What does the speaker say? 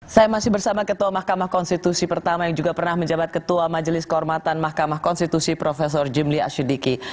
saya masih bersama ketua mahkamah konstitusi pertama yang juga pernah menjabat ketua majelis kehormatan mahkamah konstitusi prof jimli asyidiki